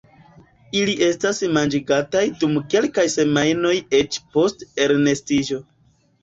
Ili estas manĝigataj dum kelkaj semajnoj eĉ post elnestiĝo.